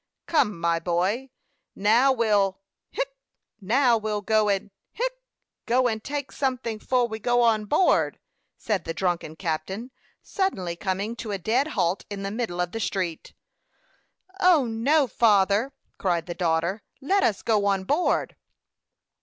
"Come, my boy, now we'll hic now we'll go and hic go and take something 'fore we go on board," said the drunken captain, suddenly coming to a dead halt in the middle of the street. "O, no, father!" cried the daughter; "let us go on board."